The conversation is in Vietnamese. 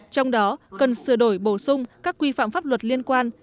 trong đó cần sửa đổi bổ sung các quy phạm pháp luật liên quan